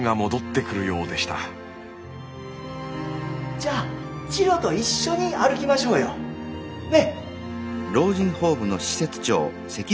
じゃあチロと一緒に歩きましょうよ！ね！